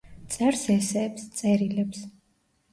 წერს ესეებს, წერილებს.